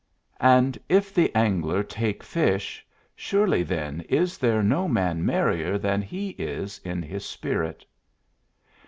And IF the angler take fish surely then is there no man merrier than he is in his spirit!"